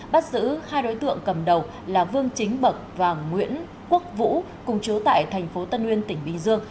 bắt giữ hai đối tượng cầm đầu là vương chính bậc và nguyễn quốc vũ cùng chứa tại thành phố tân nguyên tỉnh bình dương